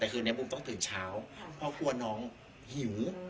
แต่คืนนี้บูมต้องตื่นเช้าเพราะกลัวน้องหิว